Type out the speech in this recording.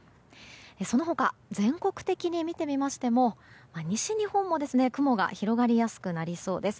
その他、全国的に見てみましても西日本も雲が広がりやすくなりそうです。